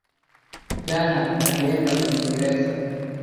Jana alienda uingereza